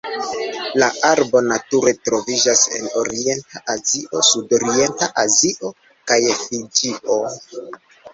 La arbo nature troviĝas en Orienta Azio, Sudorienta Azio kaj Fiĝio.